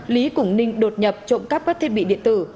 lý cùng ninh đột nhập trộm cắp các thiết bị điện tử